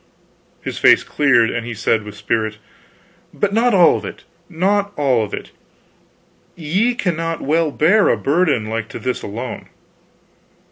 His face cleared, and he said with spirit: "But not all of it, not all of it. Ye cannot well bear a burden like to this alone."